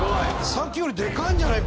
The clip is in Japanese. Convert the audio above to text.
さっきよりでかいんじゃない？